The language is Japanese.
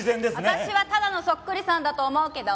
私はただのそっくりさんだと思うけど。